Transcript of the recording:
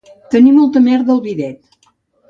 Tenir molta merda al bidet